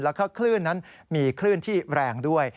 แล้วก็คลื่นนั้นมีคลื่นที่แรงด้วย